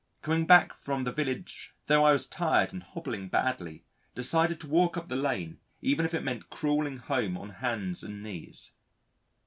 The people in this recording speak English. Coming back from the village, tho' I was tired and hobbling badly, decided to walk up the lane even if it meant crawling home on hands and knees.